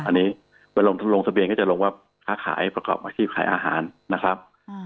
อันนี้ไปลงทะเบียนก็จะลงว่าค้าขายประกอบอาชีพขายอาหารนะครับ